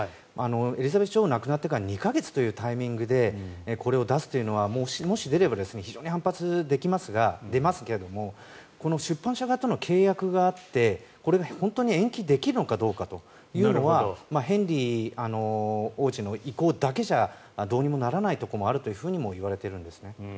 エリザベス女王が亡くなってから２か月というタイミングでこれを出すというのはもし出れば非常に反発、出ますけれどもこの出版社側との契約があってこれが本当に延期できるのかどうかというのはヘンリー王子の意向だけじゃどうにもならないところもあるといわれているんです。